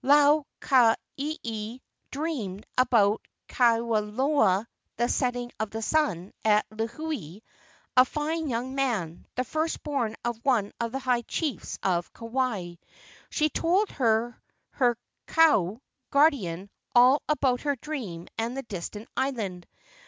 Lau ka ieie dreamed about Kawelona (the setting of the sun), at Lihue, a fine young man, the first born of one of the high chiefs of Kauai. She told her kahu (guardian) all about her dream and the distant island.